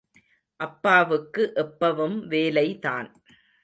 அப்பாவுக்கு எப்பவும் வேலை தான்.